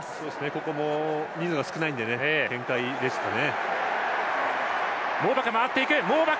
ここも人数が少ないので展開ですね。